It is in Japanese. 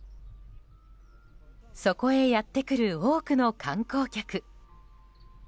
そこへやってくる多くの観光客。